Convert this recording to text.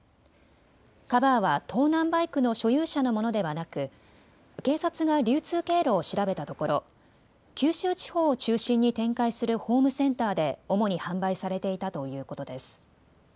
カバーは盗難バイクの所有者のものではなく警察が流通経路を調べたところ九州地方を中心に展開するホームセンターで主に販売されていたということです。